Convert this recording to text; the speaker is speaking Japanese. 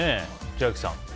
千秋さん。